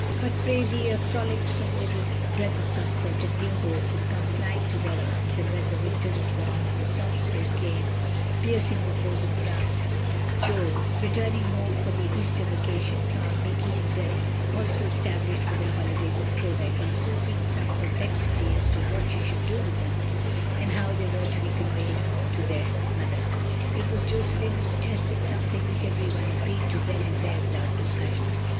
But Phraisie, a frolicsome little breath of comfort and new hope, would come flying to their arms, and when the winter was gone and the soft spring came, piercing the frozen ground, Jo, re turning home for the Easter vacation, found Mikey and Dermy also established for their holidays at Crowbeck, and Susy, in some perplexity as to what she should do with them and how they were to be conveyed home to their mother. It was Josselin who suggested something which every one agreed to then and there without discussion.